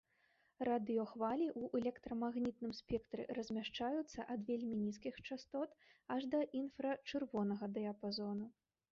Радыёхвалі ў электрамагнітным спектры размяшчаюцца ад вельмі нізкіх частот аж да інфрачырвонага дыяпазону.